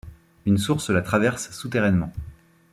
Une source la traverse souterrainement.